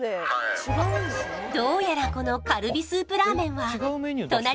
☎はいどうやらこのカルビスープラーメンは隣町